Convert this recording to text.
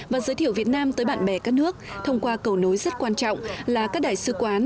và giới thiệu việt nam tới bạn bè các nước thông qua cầu nối rất quan trọng là các đại sứ quán